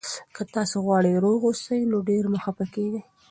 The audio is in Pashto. که تاسي غواړئ روغ اوسئ، نو ډېر مه خفه کېږئ.